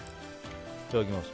いただきます。